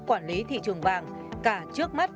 quản lý thị trường vàng cả trước mắt